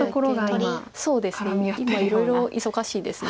今いろいろ忙しいです。